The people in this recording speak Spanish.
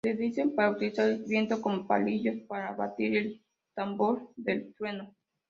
Le dicen para utilizar el viento como palillos para batir el tambor del trueno.